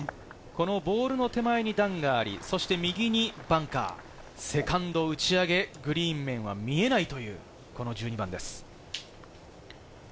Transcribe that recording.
ボールの手前に段があり、右にバンカー、セカンド打ち上げ、グリーン面は見えないという１２番です。